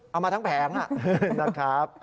เอามาทั้งแผงนะครับ